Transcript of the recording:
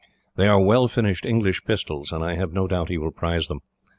They are well finished English pistols, and I have no doubt he will prize them.